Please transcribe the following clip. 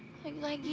ya tapi gimana sih